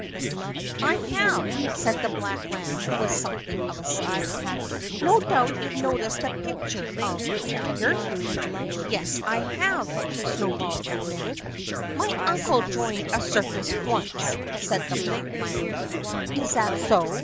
"I have," said the black lamb with something like a sneer. "No doubt you've noticed the picture of the tiger?" "Yes, I have," Snowball admitted. "My uncle joined a circus once," said the black lamb. "Is that so?"